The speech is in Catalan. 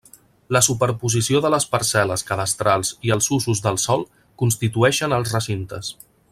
La superposició de les parcel·les cadastrals i els usos del sòl constitueixen els recintes.